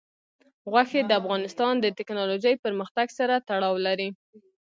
غوښې د افغانستان د تکنالوژۍ پرمختګ سره تړاو لري.